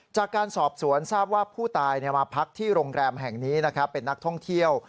จากการสอบสวนทราบว่าผู้ตายมาพักที่โรงแรมแห่งนี้นะครับเป็นนักท่องเที่ยว